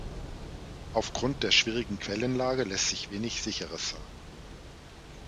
Aufgrund der schwierigen Quellenlage lässt sich wenig Sicheres sagen.